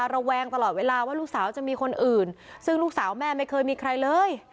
ระแวงตลอดเวลาว่าลูกสาวจะมีคนอื่นซึ่งลูกสาวแม่ไม่เคยมีใครเลย